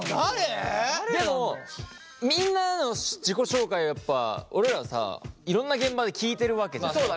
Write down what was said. でもみんなの自己紹介やっぱ俺らさいろんな現場で聞いてるわけじゃん。